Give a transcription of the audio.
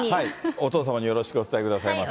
お父様によろしくお伝えくださいませ。